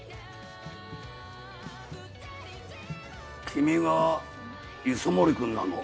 君が磯森君なの？